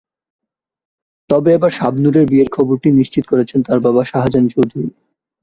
তবে এবার শাবনূরের বিয়ের খবরটি নিশ্চিত করেছেন তাঁর বাবা শাহজাহান চৌধুরী।